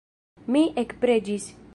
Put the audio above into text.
Mi ekpreĝis.